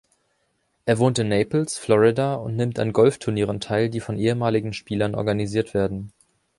Er wohnt in Naples, Florida, und nimmt an Golfturnieren teil, die von ehemaligen Spielern organisiert werden.